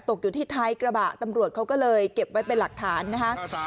อยู่ที่ท้ายกระบะตำรวจเขาก็เลยเก็บไว้เป็นหลักฐานนะครับ